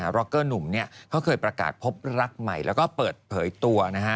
ร็อกเกอร์หนุ่มเขาเคยประกาศพบรักใหม่แล้วก็เปิดเผยตัวนะฮะ